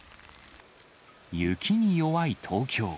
雪に弱い東京。